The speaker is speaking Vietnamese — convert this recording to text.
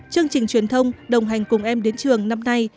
chương trình truyền thông đồng hành cùng em đến trường năm nay